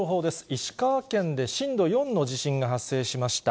石川県で震度４の地震が発生しました。